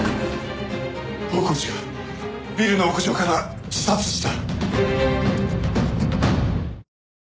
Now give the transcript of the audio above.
大河内がビルの屋上から自殺した！